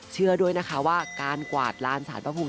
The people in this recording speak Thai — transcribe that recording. เชื่อด้วยนะคะว่าการกวาดลานสารพระภูมิ